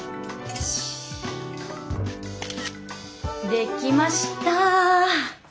できました！